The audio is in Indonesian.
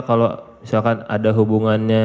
kalau misalkan ada hubungannya